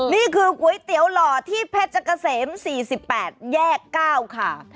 นี่คือก๋วยเตี๋ยวหล่อที่เพชรเกษม๔๘แยก๙ค่ะ